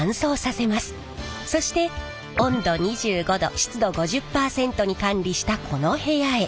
そして温度２５℃湿度５０％に管理したこの部屋へ。